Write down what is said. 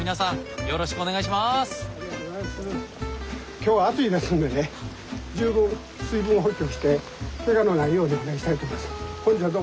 今日は暑いですんでね十分水分補給をしてケガのないようにお願いしたいと思います。